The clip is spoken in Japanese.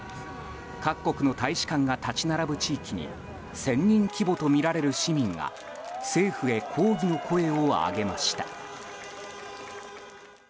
各国の大使館が立ち並ぶ地域に１０００人規模とみられる市民が政府へ抗議の声を上げました。